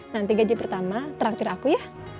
nanti gaji pertama terakhir aku ya